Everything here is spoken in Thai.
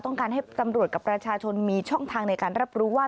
ต้องการให้ตำรวจกับประชาชนมีช่องทางในการรับรู้ว่า